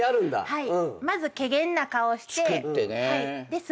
はい。